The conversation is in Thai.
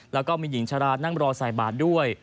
แล้วก็มีหญิงชะลานั่งรอใส่บาทด้วย